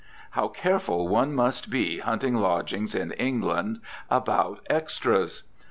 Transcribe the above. How careful one must be hunting lodgings in England about "extras."